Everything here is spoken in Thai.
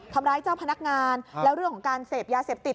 ทำร้ายเจ้าพนักงานแล้วเรื่องของการเสพยาเสพติด